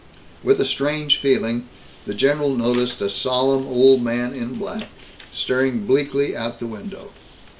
With a strange feeling, the general noticed a solemn old man in black, staring bleakly out the window.